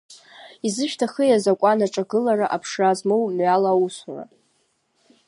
Изышәҭахи азакуан аҿагылара аԥшра змоу мҩала аусура.